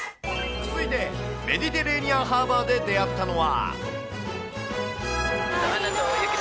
続いて、メディテリアンハーバーで出会ったのは。